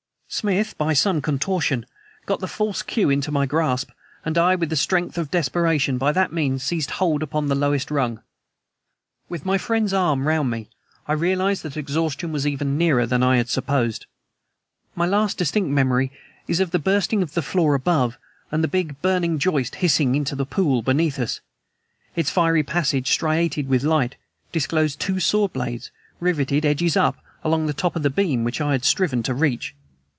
Smith, by some contortion, got the false queue into my grasp, and I, with the strength of desperation, by that means seized hold upon the lowest rung. With my friend's arm round me I realized that exhaustion was even nearer than I had supposed. My last distinct memory is of the bursting of the floor above and the big burning joist hissing into the pool beneath us. Its fiery passage, striated with light, disclosed two sword blades, riveted, edges up along the top of the beam which I had striven to reach.